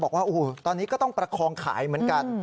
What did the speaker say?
บอกว่าตอนนี้ก็ต้องประคองขายเหมือนกัน